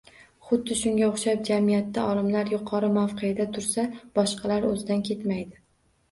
Xuddi shunga o‘xshab, jamiyatda olimlar yuqori mavqeda tursa, boshqalar o‘zidan ketmaydi.